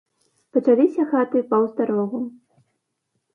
Пачаліся хаты паўз дарогу.